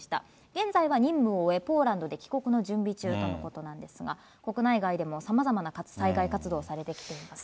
現在は任務を終え、ポーランドで帰国の準備中ということなんですが、国内外でも、さまざまな災害活動をされてきています。